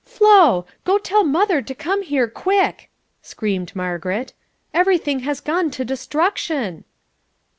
"Flo! go tell mother to come here quick!" screamed Margaret. "Everything has gone to destruction."